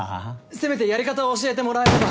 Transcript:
せめてやり方を教えてもらえれば。